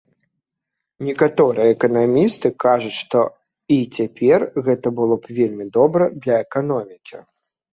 Некаторыя эканамісты кажуць, што і цяпер гэта было б вельмі добра для эканомікі.